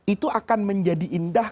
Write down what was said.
itu akan menjadi indah